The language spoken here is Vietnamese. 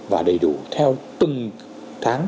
và đầy đủ theo từng tháng